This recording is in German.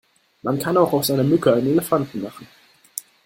Man kann auch aus einer Mücke einen Elefanten machen!